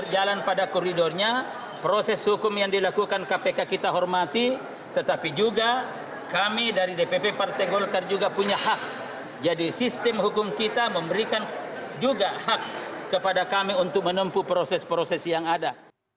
juga hak kepada kami untuk menempuh proses proses yang ada